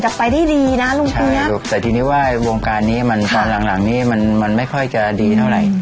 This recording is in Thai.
ใช่ลุงแต่ทีนี้ว่าวงการนี้มันตอนหลังนี้มันไม่ค่อยจะดีเท่าไหร่